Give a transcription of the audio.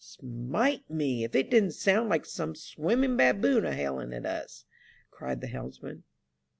Smite me if it didn't sound like some swimming baboon a hailing of us," cried the helmsman.